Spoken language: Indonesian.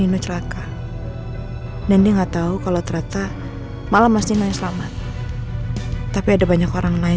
ini celaka dan dia nggak tahu kalau ternyata malah masih selamat tapi ada banyak orang lain